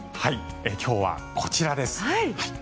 今日はこちらです。